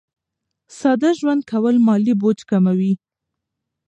ساده ژوند کول مالي بوج کموي.